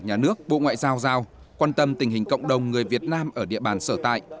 nhà nước bộ ngoại giao giao quan tâm tình hình cộng đồng người việt nam ở địa bàn sở tại